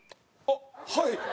あっはい！